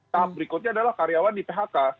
tahap berikutnya adalah karyawan di phk